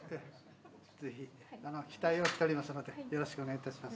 期待をしておりますのでよろしくお願いいたします。